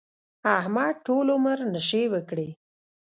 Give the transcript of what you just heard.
احمد ټول عمر نشې وکړې.